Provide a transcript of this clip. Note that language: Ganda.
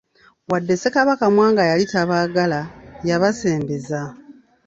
Wadde Ssekabaka Mwanga yali tabaagala, yabasembeza.